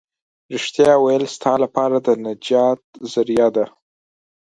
رښتيا ويل ستا لپاره د نجات ذريعه ده.